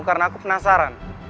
karena aku penasaran